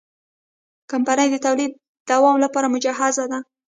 کمپنۍ د تولید دوام لپاره مجهزه ده.